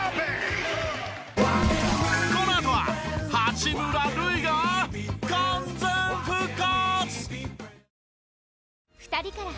このあとは八村塁が完全復活！